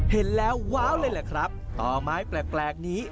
เห็นแล้วว้าวเลยแหละครับต่อไม้แปลกนี้